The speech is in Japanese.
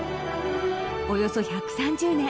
およそ１３０年